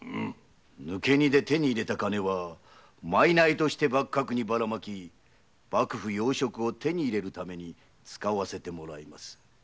抜け荷で手に入れた金は賂として幕閣にバラまき幕府要職を手に入れるために使わせてもらいます。